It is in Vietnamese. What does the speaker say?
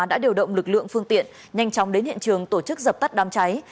đã điều động lực lượng phương tiện nhanh chóng đến hiện trường tổ chức dập tắt đám cháy